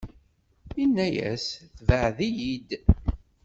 Inna-as: Tebɛ-iyi-d!